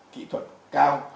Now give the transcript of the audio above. kỹ thuật cao